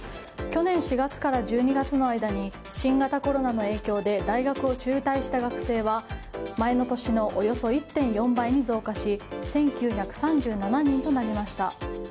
去年４月から１２月の間に新型コロナの影響で大学を中退した学生は前の年のおよそ１．４倍に増加し１９３７人となりました。